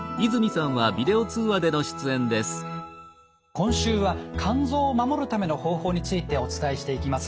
今週は肝臓を守るための方法についてお伝えしていきます。